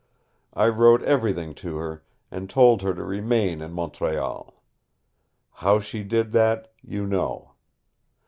I wrote everything to her and told her to remain in Montreal. How she did that, you know.